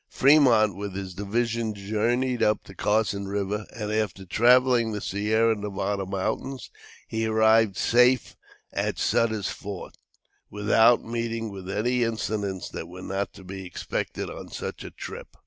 Fremont, with his division, journeyed up the Carson River, and after traversing the Sierra Nevada Mountains, he arrived safe at Sutter's Fort, without meeting with any incidents that were not to be expected on such a trip.